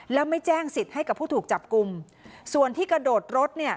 แล้วไม่แจ้งสิทธิ์ให้กับผู้ถูกจับกลุ่มส่วนที่กระโดดรถเนี่ย